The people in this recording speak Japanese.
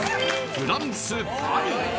フランス・パリ！